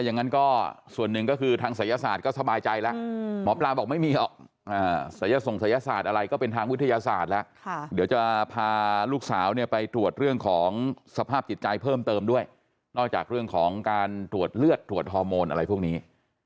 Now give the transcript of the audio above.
นอกจากเรื่องของการถวดเลือดถวดฮอร์โมนอะไรพวกนี้